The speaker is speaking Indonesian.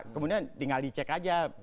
kemudian tinggal dicek aja